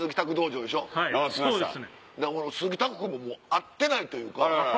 俺鈴木拓君も会ってないというか。